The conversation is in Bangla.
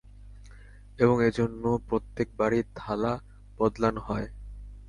এবং এজন্য প্রত্যেক বারেই থালা বদলান হয়।